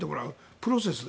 プロセスで。